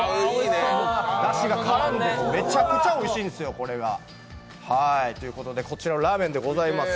だしが絡んでめちゃくちゃおいしいんですよ、これが。ということでこちらのラーメンでございます。